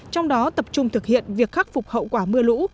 trong đó tập trung thực hiện việc khắc phục hậu quả mưa lũ